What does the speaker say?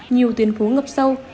nhiều tuyến phố ngập sâu